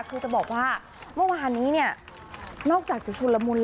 คือจะบอกว่าเมื่อวานนี้เนี่ยนอกจากจะชุนละมุนแล้ว